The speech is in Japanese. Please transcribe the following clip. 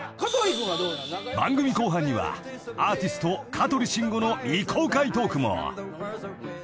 ［番組後半にはアーティスト香取慎吾の未公開トークも］